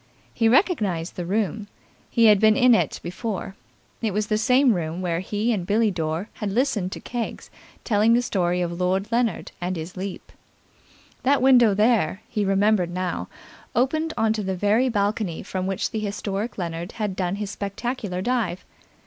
He recognized the room. He had been in it before. It was the same room where he and Billie Dore had listened to Keggs telling the story of Lord Leonard and his leap. That window there, he remembered now, opened on to the very balcony from which the historic Leonard had done his spectacular dive.